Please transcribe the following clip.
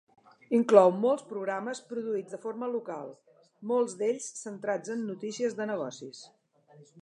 Inclou molts programes produïts de forma local, molts d'ells centrats en notícies de negocis.